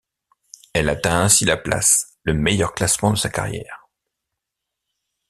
Elle atteint ainsi la place, le meilleur classement de sa carrière.